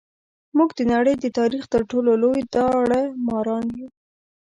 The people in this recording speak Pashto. موږ د نړۍ د تاریخ تر ټولو لوی داړه ماران یو.